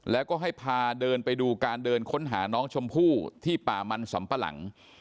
แล้วก็ให้พาเดินไปดูการเดินค้นหาน้องชมพู่ที่ป่ามันสำปะหลัง